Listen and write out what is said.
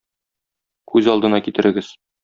Күз алдына китерегез.